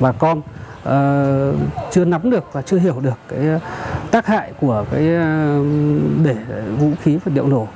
bà con chưa nắm được và chưa hiểu được tác hại của vũ khí và liều nổi